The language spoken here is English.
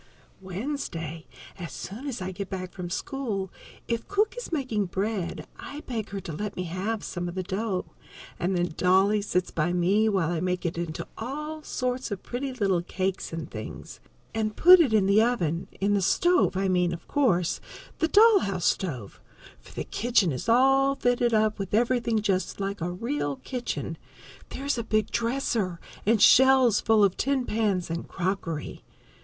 _ Wednesday, as soon as I get back from school, if cook is making bread I beg her to let me have some of the dough, and then Dolly sits by me while I make it into all sorts of pretty little cakes and things, and put it in the oven in the stove I mean, of course, the doll house stove, for the kitchen is all fitted up with everything just like a real kitchen. There is a big dresser, and shelves full of tin pans, and crockery.